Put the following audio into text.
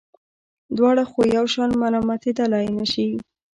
دواړه خو یو شان ملامتېدلای نه شي.